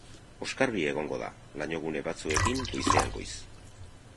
Oskarbi egongo da, lainogune batzuekin goizean goiz.